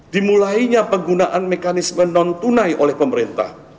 dimulainya penggunaan mekanisme non tunai oleh pemerintah